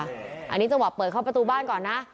อันนี้จังหวะเปิดเข้าประตูบ้านก่อนนะ